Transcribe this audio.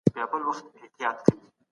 هغوی تل د خپل وقار او دريځ درناوی کړی دی.